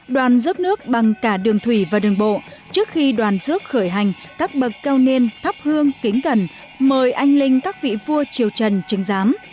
đoàn rước nước bằng cả đường thủy và đường bộ trước khi đoàn rước khởi hành các bậc cao niên thắp hương kính cẩn mời anh linh các vị vua triều trần chứng giám